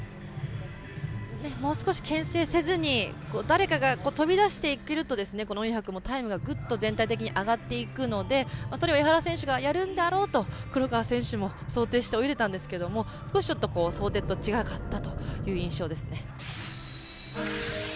もう少し、けん制せずに誰かが飛び出していけると４００ｍもタイムも全体的に上がっていくのでそれを江原選手がやるんだろうと黒川選手も想定して泳いでいたんですけど少し想定と違かったという印象ですね。